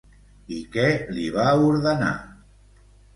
I què li va ordenar?